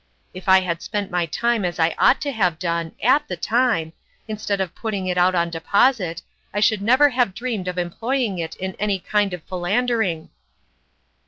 If I had spent my time as I ought to have done at the time, instead of putting it out on deposit I should never have dreamed of employing it in any kind of philander ing!"